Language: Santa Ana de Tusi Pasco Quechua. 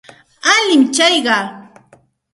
Alin tsayqa.